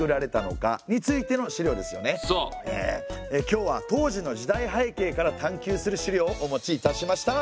今日は当時の時代背景から探究する資料をお持ちいたしました。